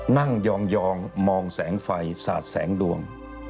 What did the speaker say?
นั่งยองมองแสงไฟสาดแสงดวง